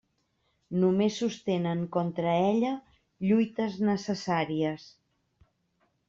Només sostenen contra ella lluites necessàries.